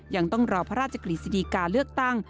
ยังต้องรอพระราชกฤษฎีกาเลือกตั้ง